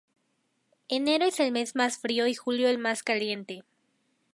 Enero es el mes más frío y julio el más caliente.